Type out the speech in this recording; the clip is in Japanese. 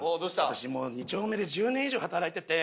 私もう２丁目で１０年以上働いてて。